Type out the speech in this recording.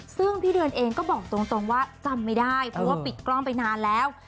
ซึ่งพี่เดือนเองก็บอกตรงว่าจำไม่ได้เพราะว่าปิดกล้องไปนานแล้ว